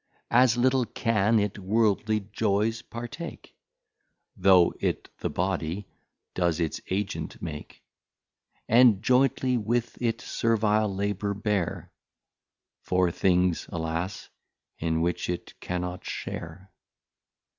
As little can it Worldly Joys partake, Though it the Body does its Agent make, And joyntly with it Servile Labour bear, For Things, alas, in which it cannot share.